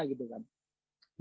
ya apa gunanya